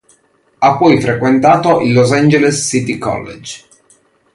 Ha poi frequentato il Los Angeles City College.